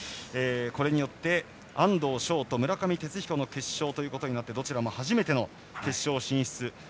これによって安藤翔と村上哲彦の決勝となりどちらも初めての決勝進出。